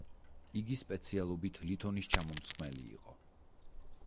იგი სპეციალობით ლითონის ჩამომსხმელი იყო.